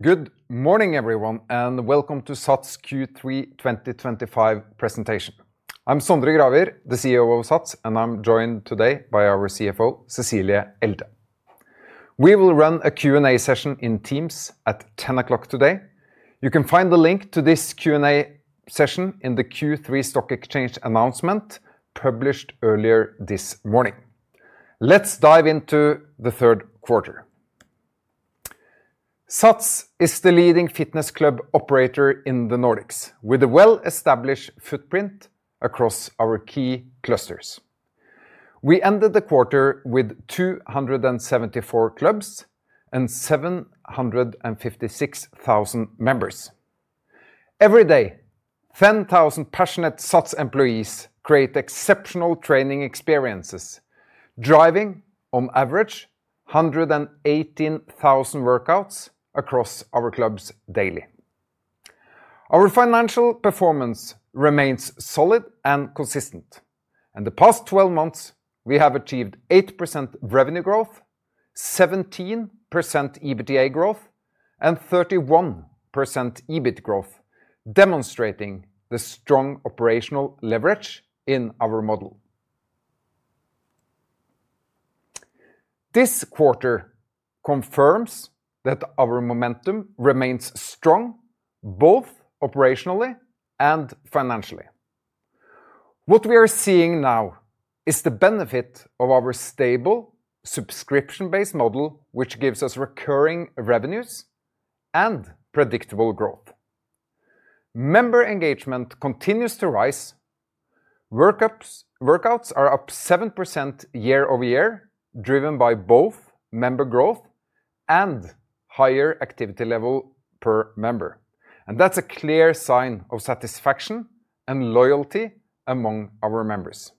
Good morning, everyone, and welcome to SATS Q3 2025 presentation. I'm Sondre Gravir, the CEO of SATS, and I'm joined today by our CFO, Cecilie Elde. We will run a Q&A session in Teams at 10:00 O'clock today. You can find the link to this Q&A session in the Q3 Stock Exchange announcement published earlier this morning. Let's dive into the third quarter. SATS is the leading fitness club operator in the Nordics, with a well-established footprint across our key clusters. We ended the quarter with 274 clubs and 756,000 members. Every day, 10,000 passionate SATS employees create exceptional training experiences, driving, on average, 118,000 workouts across our clubs daily. Our financial performance remains solid and consistent. In the past 12 months, we have achieved 8% revenue growth, 17% EBITDA growth, and 31% EBIT growth, demonstrating the strong operational leverage in our model. This quarter confirms that our momentum remains strong, both operationally and financially. What we are seeing now is the benefit of our stable subscription-based model, which gives us recurring revenues and predictable growth. Member engagement continues to rise. Workouts are up 7% year-over-year, driven by both member growth and higher activity level per member. That's a clear sign of satisfaction and loyalty among our members.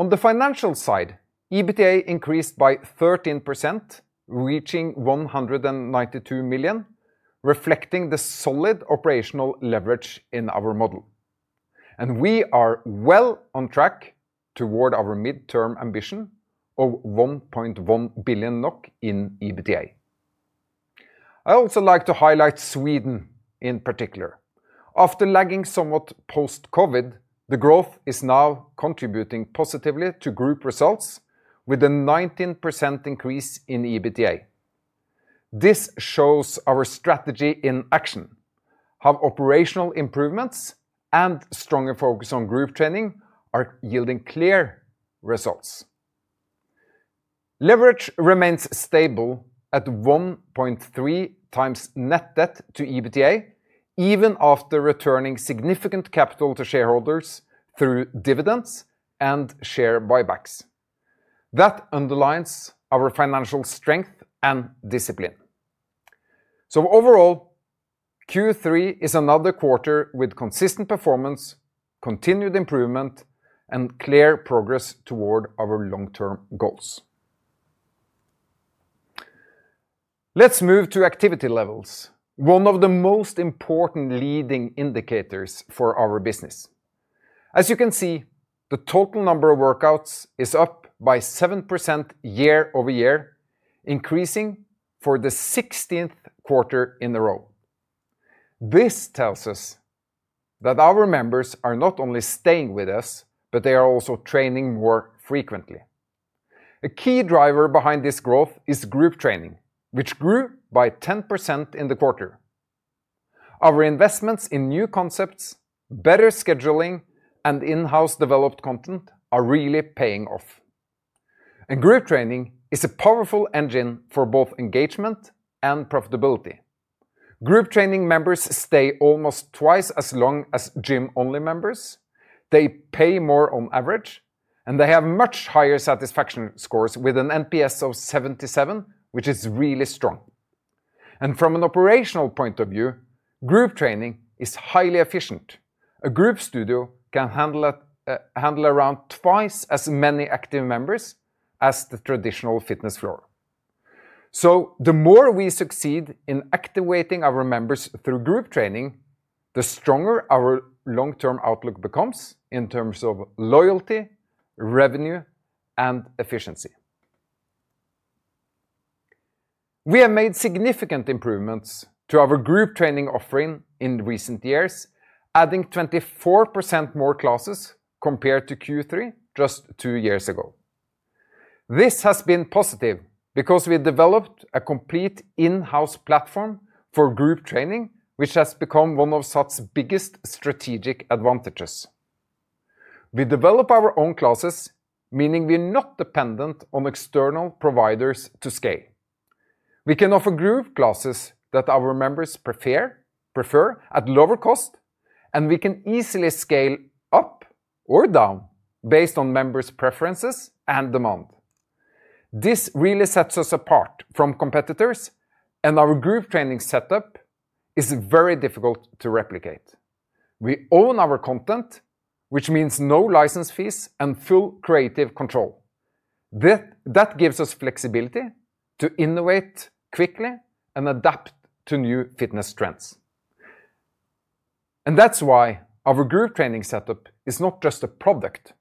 On the financial side, EBITDA increased by 13%, reaching 192 million, reflecting the solid operational leverage in our model. We are well on track toward our mid-term ambition of 1.1 billion NOK in EBITDA. I'd also like to highlight Sweden in particular. After lagging somewhat post-COVID, the growth is now contributing positively to group results, with a 19% increase in EBITDA. This shows our strategy in action, how operational improvements and stronger focus on group training are yielding clear results. Leverage remains stable at 1.3x net debt to EBITDA even after returning significant capital to shareholders through dividends and share buybacks. That underlines our financial strength and discipline. Overall, Q3 is another quarter with consistent performance, continued improvement, and clear progress toward our long-term goals. Let's move to activity levels, one of the most important leading indicators for our business. As you can see, the total number of workouts is up by 7% year-over-year, increasing for the 16th quarter in a row. This tells us that our members are not only staying with us, but they are also training more frequently. A key driver behind this growth is group training, which grew by 10% in the quarter. Our investments in new concepts, better scheduling, and in-house developed content are really paying off. Group training is a powerful engine for both engagement and profitability. Group training members stay almost twice as long as gym-only members. They pay more on average, and they have much higher satisfaction scores with an NPS of 77, which is really strong. From an operational point of view, group training is highly efficient. A group studio can handle around twice as many active members as the traditional fitness floor. The more we succeed in activating our members through group training, the stronger our long-term outlook becomes in terms of loyalty, revenue, and efficiency. We have made significant improvements to our group training offering in recent years, adding 24% more classes compared to Q3 just two years ago. This has been positive because we developed a complete in-house platform for group training, which has become one of SATS' biggest strategic advantages. We develop our own classes, meaning we're not dependent on external providers to scale. We can offer group classes that our members prefer at lower cost, and we can easily scale up or down based on members' preferences and demand. This really sets us apart from competitors, and our group training setup is very difficult to replicate. We own our content, which means no license fees and full creative control. That gives us flexibility to innovate quickly and adapt to new fitness trends. That's why our group training setup is not just a product.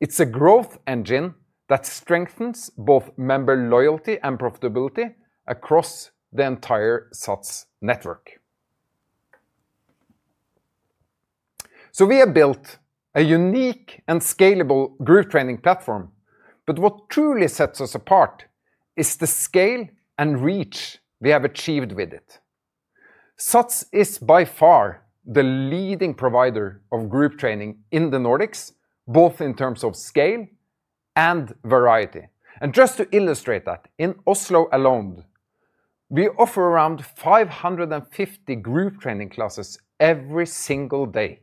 It's a growth engine that strengthens both member loyalty and profitability across the entire SATS network. We have built a unique and scalable group training platform, but what truly sets us apart is the scale and reach we have achieved with it. SATS is by far the leading provider of group training in the Nordics, both in terms of scale and variety. Just to illustrate that, in Oslo alone, we offer around 550 group training classes every single day,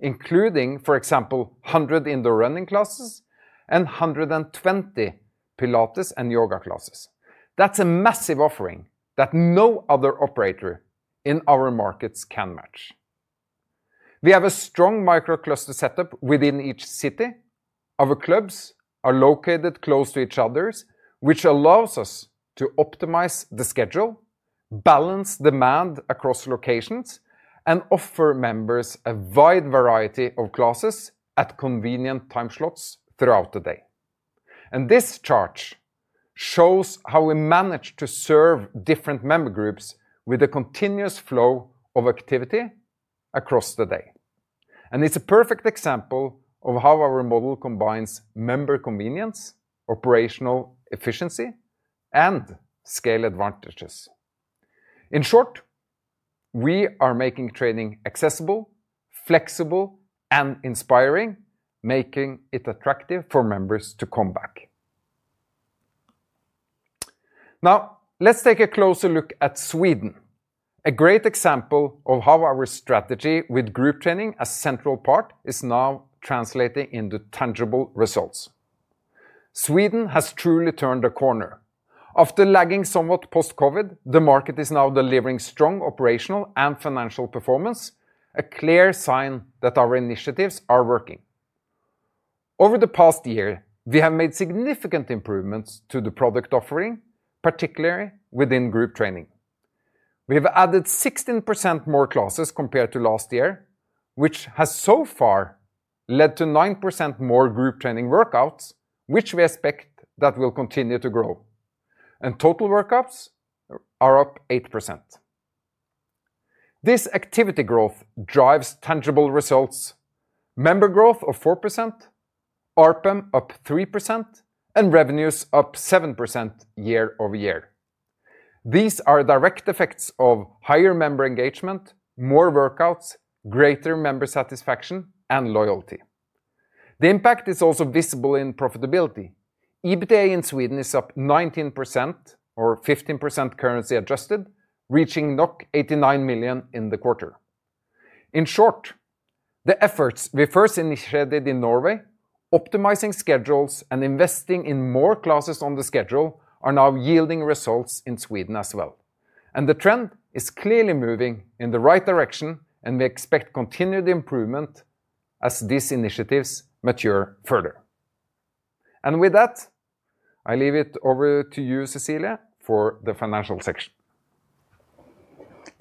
including, for example, 100 indoor running classes and 120 Pilates and yoga classes. That's a massive offering that no other operator in our markets can match. We have a strong micro-cluster setup within each city. Our clubs are located close to each other, which allows us to optimize the schedule, balance demand across locations, and offer members a wide variety of classes at convenient time slots throughout the day. This chart shows how we manage to serve different member groups with a continuous flow of activity across the day. It's a perfect example of how our model combines member convenience, operational efficiency, and scale advantages. In short, we are making training accessible, flexible, and inspiring, making it attractive for members to come back. Now, let's take a closer look at Sweden, a great example of how our strategy with group training as a central part is now translating into tangible results. Sweden has truly turned a corner. After lagging somewhat post-COVID, the market is now delivering strong operational and financial performance, a clear sign that our initiatives are working. Over the past year, we have made significant improvements to the product offering, particularly within group training. We've added 16% more classes compared to last year, which has so far led to 9% more group training workouts, which we expect will continue to grow. Total workouts are up 8%. This activity growth drives tangible results: member growth of 4%, ARPM up 3%, and revenues up 7% year-over-year. These are direct effects of higher member engagement, more workouts, greater member satisfaction, and loyalty. The impact is also visible in profitability. EBITDA in Sweden is up 19%, or 15% currency adjusted, reaching 89 million in the quarter. In short, the efforts we first initiated in Norway, optimizing schedules and investing in more classes on the schedule, are now yielding results in Sweden as well. The trend is clearly moving in the right direction, and we expect continued improvement as these initiatives mature further. With that, I leave it over to you, Cecilie, for the financial section.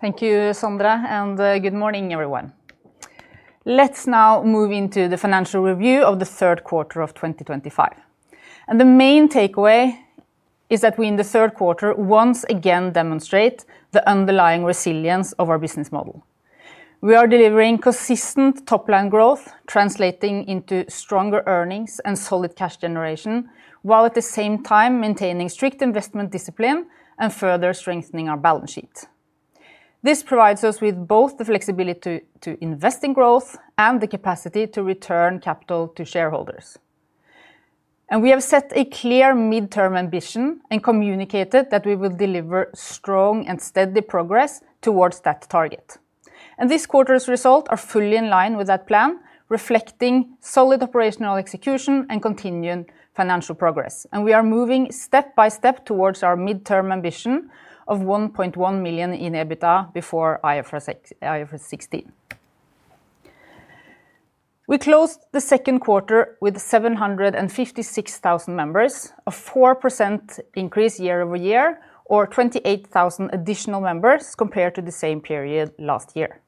Thank you, Sondre, and good morning, everyone. Let's now move into the financial review of the third quarter of 2025. The main takeaway is that we, in the third quarter, once again demonstrate the underlying resilience of our business model. We are delivering consistent top-line growth, translating into stronger earnings and solid cash generation, while at the same time maintaining strict investment discipline and further strengthening our balance sheet. This provides us with both the flexibility to invest in growth and the capacity to return capital to shareholders. We have set a clear mid-term ambition and communicated that we will deliver strong and steady progress towards that target. This quarter's results are fully in line with that plan, reflecting solid operational execution and continuing financial progress. We are moving step by step towards our mid-term ambition of 1.1 billion in EBITDA before IFRS 16. We closed the second quarter with 756,000 members, a 4% increase year-over-year, or 28,000 additional members compared to the same period last year.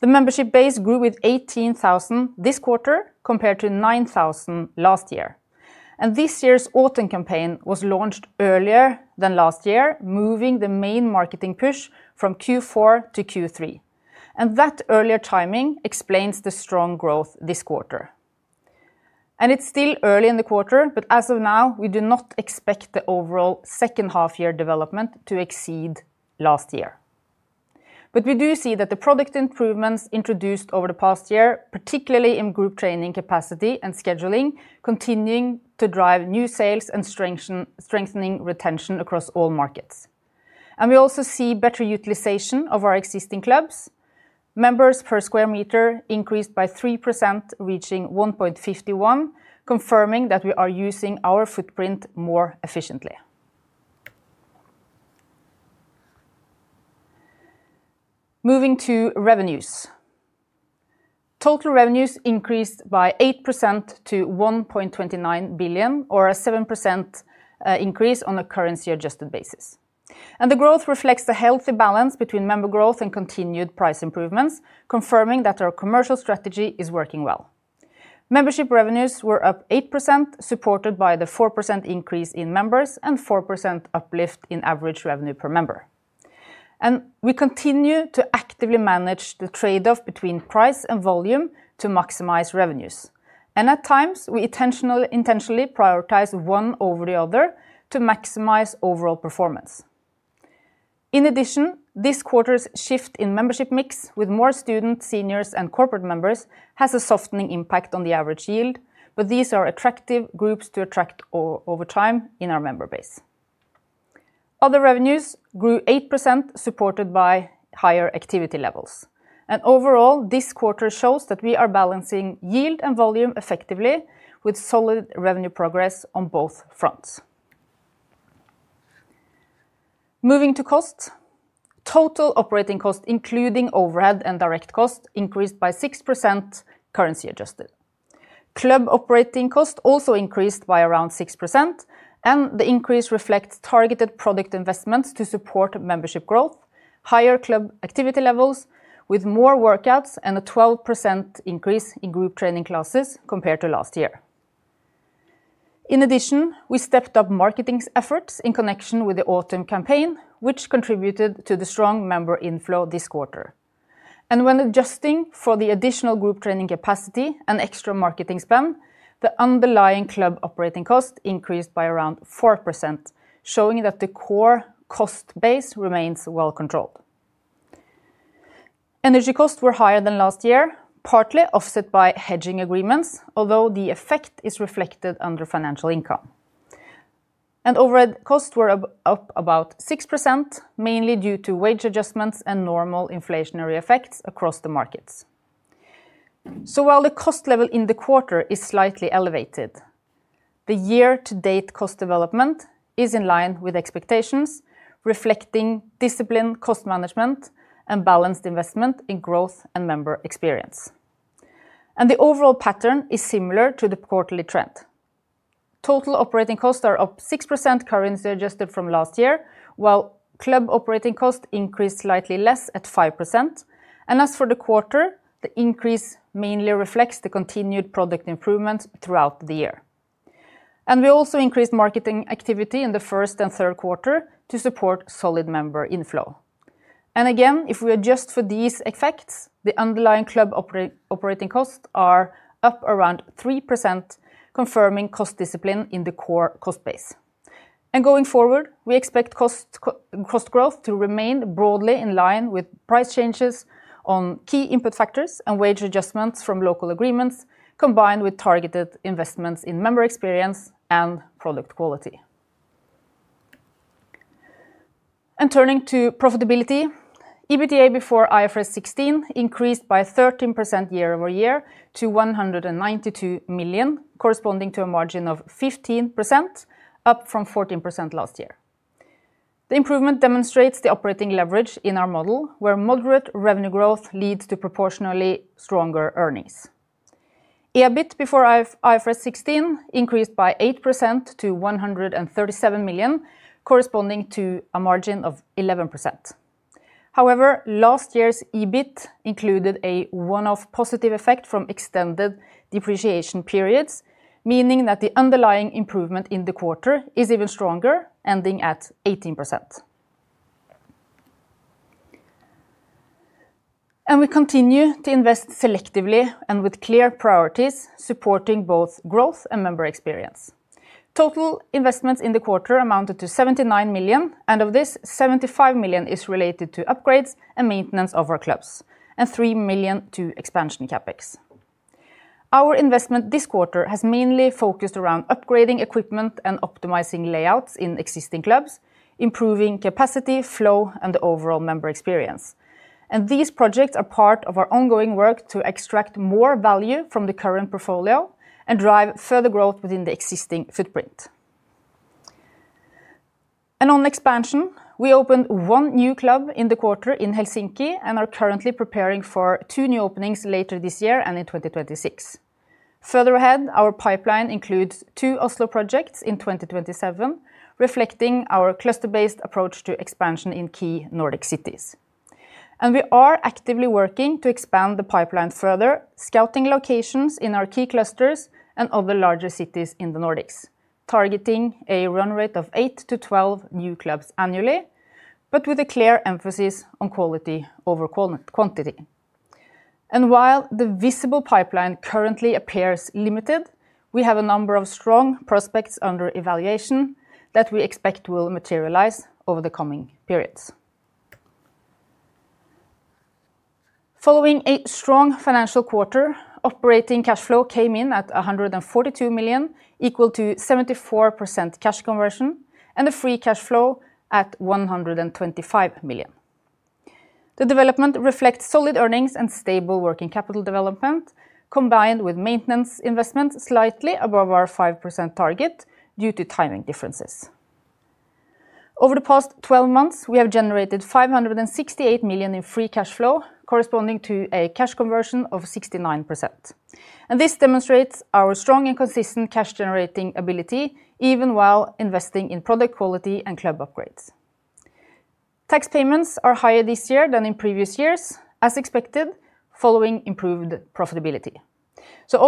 The membership base grew with 18,000 this quarter compared to 9,000 last year. This year's autumn campaign was launched earlier than last year, moving the main marketing push from Q4 to Q3. That earlier timing explains the strong growth this quarter. It's still early in the quarter, but as of now, we do not expect the overall second half-year development to exceed last year. We do see that the product improvements introduced over the past year, particularly in group training capacity and scheduling, continue to drive new sales and strengthen retention across all markets. We also see better utilization of our existing clubs. Members per square meter increased by 3%, reaching 1.51, confirming that we are using our footprint more efficiently. Moving to revenues, total revenues increased by 8% to 1.29 billion, or a 7% increase on a currency-adjusted basis. The growth reflects a healthy balance between member growth and continued price improvements, confirming that our commercial strategy is working well. Membership revenues were up 8%, supported by the 4% increase in members and 4% uplift in average revenue per member. We continue to actively manage the trade-off between price and volume to maximize revenues. At times, we intentionally prioritize one over the other to maximize overall performance. In addition, this quarter's shift in membership mix, with more students, seniors, and corporate members, has a softening impact on the average yield, but these are attractive groups to attract over time in our member base. Other revenues grew 8%, supported by higher activity levels. Overall, this quarter shows that we are balancing yield and volume effectively, with solid revenue progress on both fronts. Moving to costs, total operating costs, including overhead and direct costs, increased by 6% currency-adjusted. Club operating costs also increased by around 6%, and the increase reflects targeted product investments to support membership growth, higher club activity levels with more workouts, and a 12% increase in group training classes compared to last year. In addition, we stepped up marketing efforts in connection with the autumn campaign, which contributed to the strong member inflow this quarter. When adjusting for the additional group training capacity and extra marketing spend, the underlying club operating costs increased by around 4%, showing that the core cost base remains well controlled. Energy costs were higher than last year, partly offset by hedging agreements, although the effect is reflected under financial income. Overhead costs were up about 6%, mainly due to wage adjustments and normal inflationary effects across the markets. While the cost level in the quarter is slightly elevated, the year-to-date cost development is in line with expectations, reflecting discipline, cost management, and balanced investment in growth and member experience. The overall pattern is similar to the quarterly trend. Total operating costs are up 6% currency-adjusted from last year, while club operating costs increased slightly less at 5%. As for the quarter, the increase mainly reflects the continued product improvements throughout the year. We also increased marketing activity in the first and third quarter to support solid member inflow. Again, if we adjust for these effects, the underlying club operating costs are up around 3%, confirming cost discipline in the core cost base. Going forward, we expect cost growth to remain broadly in line with price changes on key input factors and wage adjustments from local agreements, combined with targeted investments in member experience and product quality. Turning to profitability, EBITDA before IFRS 16 increased by 13% year-over-year to 192 million, corresponding to a margin of 15%, up from 14% last year. The improvement demonstrates the operating leverage in our model, where moderate revenue growth leads to proportionately stronger earnings. EBIT before IFRS 16 increased by 8% to 137 million, corresponding to a margin of 11%. However, last year's EBIT included a one-off positive effect from extended depreciation periods, meaning that the underlying improvement in the quarter is even stronger, ending at 18%. We continue to invest selectively and with clear priorities, supporting both growth and member experience. Total investments in the quarter amounted to 79 million, and of this, 75 million is related to upgrades and maintenance of our clubs, and 3 million to expansion capex. Our investment this quarter has mainly focused around upgrading equipment and optimizing layouts in existing clubs, improving capacity, flow, and the overall member experience. These projects are part of our ongoing work to extract more value from the current portfolio and drive further growth within the existing footprint. On expansion, we opened one new club in the quarter in Helsinki and are currently preparing for two new openings later this year and in 2026. Further ahead, our pipeline includes two Oslo projects in 2027, reflecting our cluster-based approach to expansion in key Nordic cities. We are actively working to expand the pipeline further, scouting locations in our key clusters and other larger cities in the Nordics, targeting a run rate of 8-12 new clubs annually, but with a clear emphasis on quality over quantity. While the visible pipeline currently appears limited, we have a number of strong prospects under evaluation that we expect will materialize over the coming periods. Following a strong financial quarter, operating cash flow came in at 142 million, equal to 74% cash conversion, and a free cash flow at 125 million. The development reflects solid earnings and stable working capital development, combined with maintenance investments slightly above our 5% target due to timing differences. Over the past 12 months, we have generated 568 million in free cash flow, corresponding to a cash conversion of 69%. This demonstrates our strong and consistent cash-generating ability, even while investing in product quality and club upgrades. Tax payments are higher this year than in previous years, as expected, following improved profitability.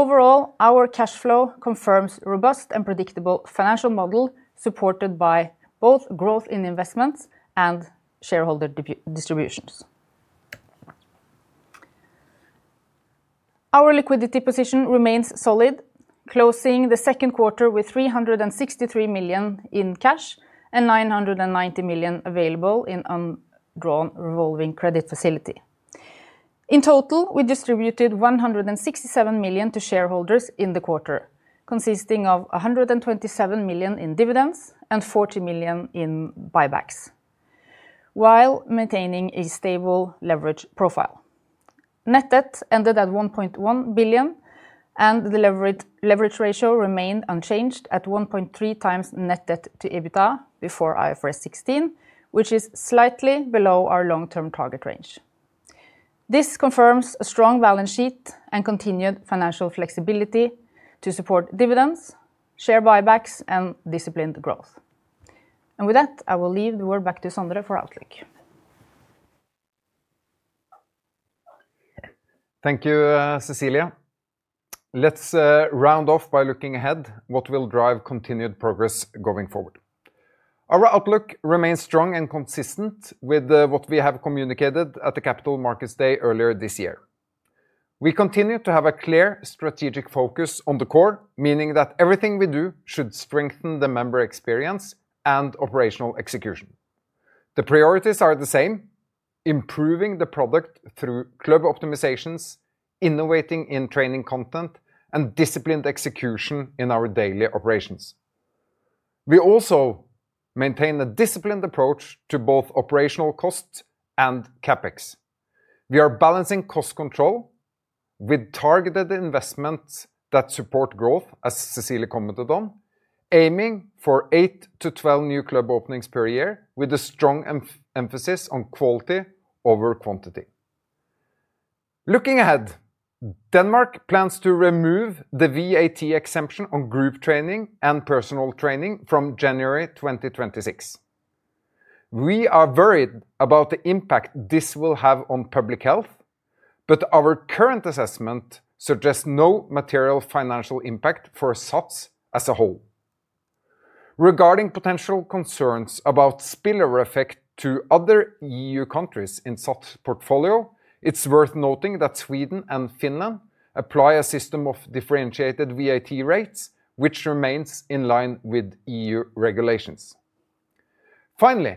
Overall, our cash flow confirms a robust and predictable financial model, supported by both growth in investments and shareholder distributions. Our liquidity position remains solid, closing the second quarter with 363 million in cash and 990 million available in an undrawn revolving credit facility. In total, we distributed 167 million to shareholders in the quarter, consisting of 127 million in dividends and 40 million in buybacks, while maintaining a stable leverage profile. Net debt ended at 1.1 billion, and the leverage ratio remained unchanged at 1.3x net debt to EBITDA before IFRS 16, which is slightly below our long-term target range. This confirms a strong balance sheet and continued financial flexibility to support dividends, share buybacks, and disciplined growth. I will leave the word back to Sondre for outlook. Thank you, Cecilie. Let's round off by looking ahead at what will drive continued progress going forward. Our outlook remains strong and consistent with what we have communicated at the Capital Markets Day earlier this year. We continue to have a clear strategic focus on the core, meaning that everything we do should strengthen the member experience and operational execution. The priorities are the same: improving the product through club optimizations, innovating in training content, and disciplined execution in our daily operations. We also maintain a disciplined approach to both operational costs and CapEx. We are balancing cost control with targeted investments that support growth, as Cecilie commented on, aiming for 8-12 new club openings per year, with a strong emphasis on quality over quantity. Looking ahead, Denmark plans to remove the VAT exemption on group training and personal training from January 2026. We are worried about the impact this will have on public health, but our current assessment suggests no material financial impact for SATS as a whole. Regarding potential concerns about the spillover effect to other EU countries in SATS' portfolio, it's worth noting that Sweden and Finland apply a system of differentiated VAT rates, which remains in line with EU regulations. Finally,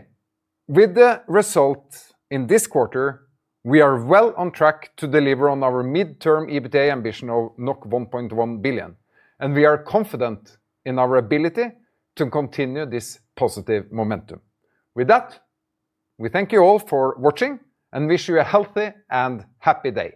with the result in this quarter, we are well on track to deliver on our mid-term EBITDA ambition of 1.1 billion, and we are confident in our ability to continue this positive momentum. With that, we thank you all for watching and wish you a healthy and happy day.